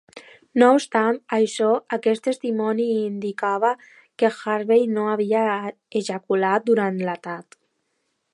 No obstant això, aquest testimoni indicava que Harvey no havia ejaculat durant l'atac.